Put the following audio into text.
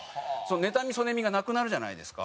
妬み嫉みがなくなるじゃないですか。